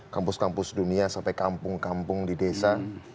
kampus kampus dunia sampai kampung kampung di desa